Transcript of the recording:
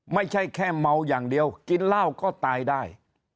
ไม่ใช่แค่เมาอย่างเดียวกินเหล้าก็ตายได้